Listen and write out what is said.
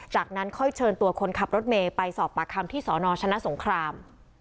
จากนั้นค่อยเชิญตัวคนขับรถเมย์ไปสอบปากคำที่สนชนะสงคราม